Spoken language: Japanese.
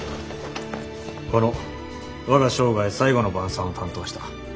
この「我が生涯最後の晩餐」を担当した。